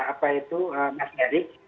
apa itu mas derick